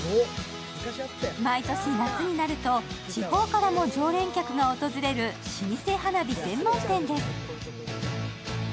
毎年夏になると地方からも常連客が訪れる、老舗花火専門店です。